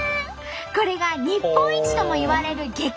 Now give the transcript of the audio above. これが日本一ともいわれる激